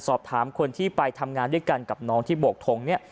สอบถามคนที่ไปทำงานด้วยกันกับน้องที่โบกทงเนี่ย